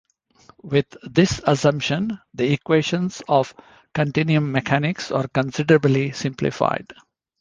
With this assumption, the equations of continuum mechanics are considerably simplified.